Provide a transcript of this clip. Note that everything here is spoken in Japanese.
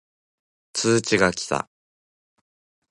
通知が来た